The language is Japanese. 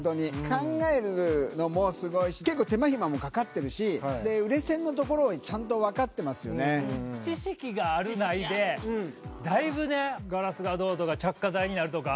考えるのもすごいし、結構、手間暇もかかってるし、売れ線のところも、知識があるないで、だいぶね、ガラスがどうとか、着火剤になるとか。